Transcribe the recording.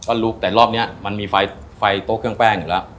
ก็ลุกแต่รอบนี้มันมีไฟโต๊ะเครื่องแป้งอยู่แล้ว